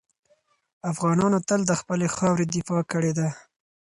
افغانانو تل د خپلې خاورې دفاع کړې ده.